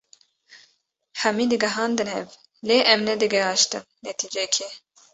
hemî digihandin hev lê em ne digihaştin netîcekê.